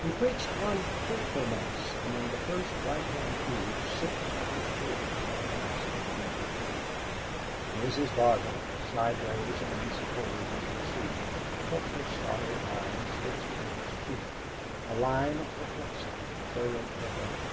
He preached on fruitfulness, and in the first right hand pew six of his children at once began to fidget. Mrs. Barter, sideways and unsupported on her seat, kept her starry eyes fixed on his cheek; a line of perplexity furrowed her brow.